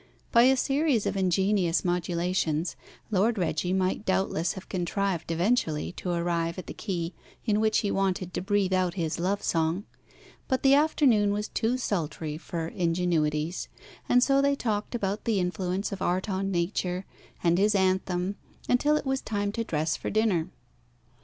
By a series of ingenious modulations Lord Reggie might doubtless have contrived eventually to arrive at the key in which he wanted to breathe out his love song; but the afternoon was too sultry for ingenuities, and so they talked about the influence of Art on Nature, and his anthem, until it was time to dress for dinner.